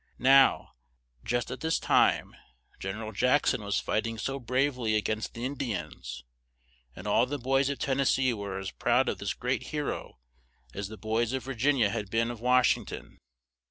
Now, just at this time, Gen er al Jack son was fight ing so brave ly a gainst the In di ans and all the boys of Ten nes see were as proud of this great he ro as the boys of Vir gin i a had been of Wash ing ton.